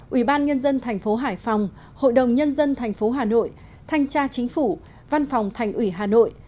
ủy ban nhân dân thành phố hải phòng hội đồng nhân dân tp hà nội thanh tra chính phủ văn phòng thành ủy hà nội